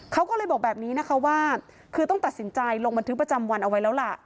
เขาก็เลยบอกแบบนี้นะคะว่าคือต้องตัดสินใจลงบันทึกประจำวันเอาไว้แล้วล่ะ